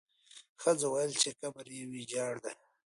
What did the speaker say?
ښځو وویل چې قبر یې ویجاړ دی.